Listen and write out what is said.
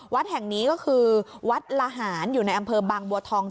วัดแห่งนี้ก็คือวัดละหารอยู่ในอำเภอบางบัวทอง